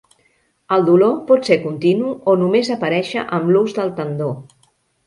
El dolor pot ser continu o només aparèixer amb l'ús del tendó.